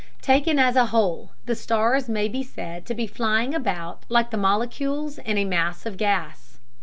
Taken as a whole, the stars may be said to be flying about like the molecules in a mass of gas.